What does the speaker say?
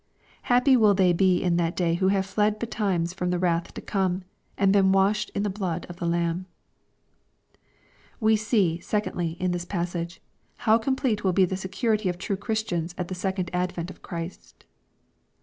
Happy will they be in that day who have fled betimes from the wrath to come, and been washed in the blood of the Lamb 1 We see, secondly, in this passage, how complete will be the security of true Christians at the second advent of Christ.